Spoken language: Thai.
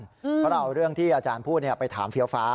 เพราะเราเอาเรื่องที่อาจารย์พูดไปถามเฟี้ยวฟ้า